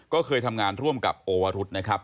ก็เคยทำงานร่วมกับโอวรุษนะครับ